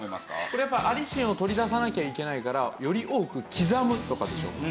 これやっぱアリシンを取り出さなきゃいけないからより多く刻むとかでしょうか？